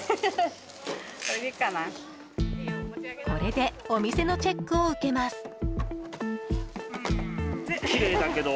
これでお店のチェックを受けます。